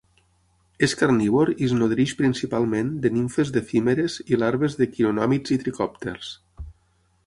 És carnívor i es nodreix principalment de nimfes d'efímeres i larves de quironòmids i tricòpters.